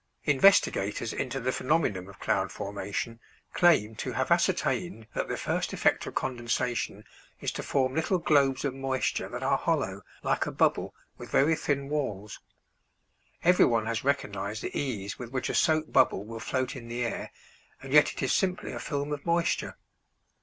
Investigators into the phenomenon of cloud formation claim to have ascertained that the first effect of condensation is to form little globes of moisture that are hollow, like a bubble, with very thin walls. Everyone has recognized the ease with which a soap bubble will float in the air, and yet it is simply a film of moisture.